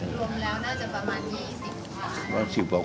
พรุ่งแล้วน่าจะประมาณ๒๐กว่าว่า๑๐กว่าคนอ่ะ